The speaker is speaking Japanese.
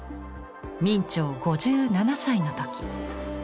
明兆５７歳の時。